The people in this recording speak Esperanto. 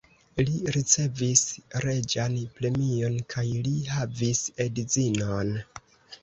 Li ricevis reĝan premion kaj li havis edzinon.